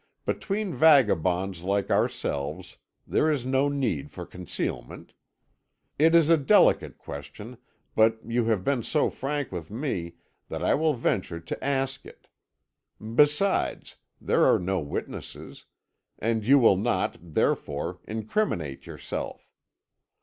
"Between vagabonds like ourselves there is no need for concealment. It is a delicate question, but you have been so frank with me that I will venture to ask it. Besides, there are no witnesses, and you will not, therefore, incriminate yourself.